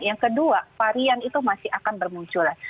yang kedua varian itu masih akan bermunculan